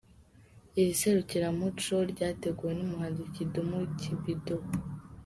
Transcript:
Iri serukiramuco ryateguwe n’umuhanzi Kidum Kibido.